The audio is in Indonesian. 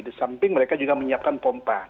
di samping mereka juga menyiapkan pompa